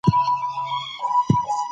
ویاړنه دفخر او افتخار مانا لري.